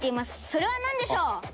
それはなんでしょう？